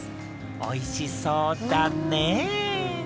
おいしそうだねえ。